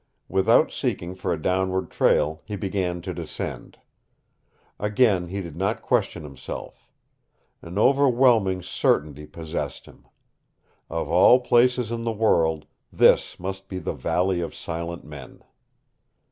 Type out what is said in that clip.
Without seeking for a downward trail he began to descend. Again he did not question himself. An overwhelming certainty possessed him. Of all places in the world this must be the Valley of Silent Men.